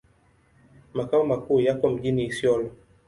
Makao makuu yako mjini Isiolo.